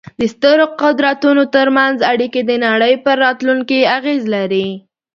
د سترو قدرتونو ترمنځ اړیکې د نړۍ پر راتلونکې اغېز لري.